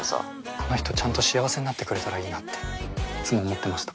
この人ちゃんと幸せになってくれたらいいなっていつも思ってました